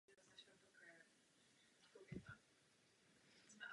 Palpatine byl z jeho výkonu naprosto nadšen a následovala vlna povýšení.